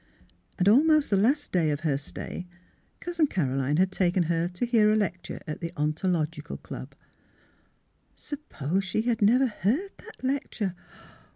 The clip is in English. And almost the last day of her stay Cousin Caroline had taken her to hear a lecture at the Ontological Club. Suppose she had never heard that lecture?